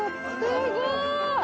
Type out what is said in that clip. ・すごい！